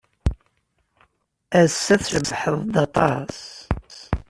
Ass-a, tcebḥed aṭas.